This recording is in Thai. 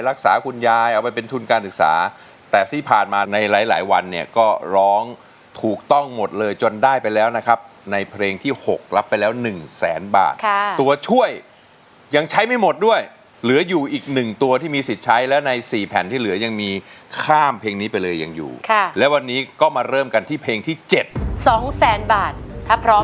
คุณยายเอาไปเป็นทุนการศึกษาแต่ที่ผ่านมาในหลายหลายวันเนี่ยก็ร้องถูกต้องหมดเลยจนได้ไปแล้วนะครับในเพลงที่๖รับไปแล้วหนึ่งแสนบาทค่ะตัวช่วยยังใช้ไม่หมดด้วยเหลืออยู่อีกหนึ่งตัวที่มีสิทธิ์ใช้แล้วในสี่แผ่นที่เหลือยังมีข้ามเพลงนี้ไปเลยยังอยู่ค่ะและวันนี้ก็มาเริ่มกันที่เพลงที่เจ็ดสองแสนบาทถ้าพร้อม